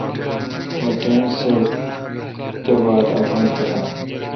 مہ ٹائم سہ تہ باتھ اپان پݭام۔